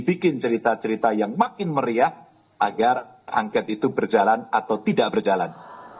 bikin cerita cerita yang makin meriah agar angket itu berjalan atau tidak berjalan